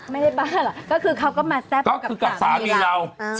ไม่ได้บ้าหรอกก็คือเขาก็มาแซ่บก็คือกับสามีเรา